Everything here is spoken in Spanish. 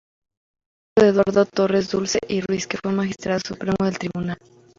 Es hijo de Eduardo Torres-Dulce y Ruíz, que fue magistrado del Tribunal Supremo.